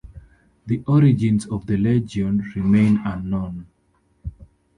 The origins of the legion remain unknown.